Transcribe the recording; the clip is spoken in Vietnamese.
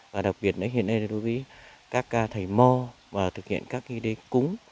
và đặc biệt hiện nay đối với các thầy mò và thực hiện các cái đế cúng